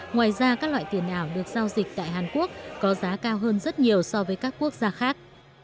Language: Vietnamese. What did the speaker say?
ngoài ra các loại tiền ảo được giao dịch tại hàn quốc có giá cao hơn rất nhiều so với các quốc gia khác